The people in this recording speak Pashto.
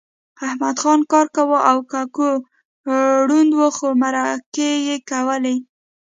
احمدخان کار کاوه او ککو ړوند و خو مرکې یې کولې